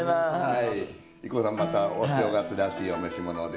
ＩＫＫＯさんまたお正月らしいお召し物で。